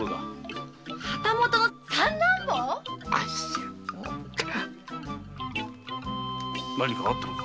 旗本の三男坊⁉何かあったのか？